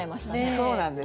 そうなんです。